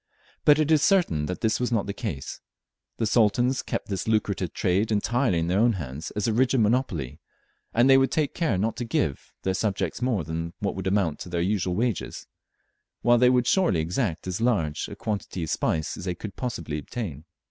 But it is certain that this was not the case. The Sultans kept this lucrative trade entirely in their own hands as a rigid monopoly, and they would take care not to give, their subjects more than would amount to their usual wages, while: they would surely exact as large a quantity of spice as they could possibly obtain.